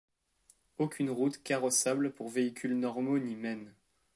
Aucune route carrossable pour véhicules normaux n'y mène.